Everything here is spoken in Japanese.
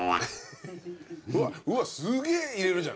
うわっすげえ入れるじゃん。